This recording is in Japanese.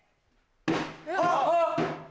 あっ！